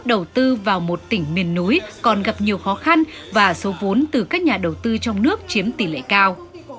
đầu tư vào một tỉnh miền núi còn gặp nhiều khó khăn và số vốn từ các nhà đầu tư trong nước chiếm tỷ lệ cao